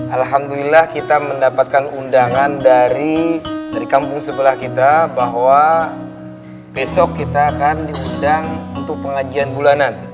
alhamdulillah kita mendapatkan undangan dari kampung sebelah kita bahwa besok kita akan diundang untuk pengajian bulanan